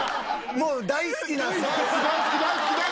もう大好きな世代ですね。